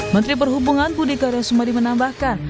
menteri perhubungan budi karyasumadi menambahkan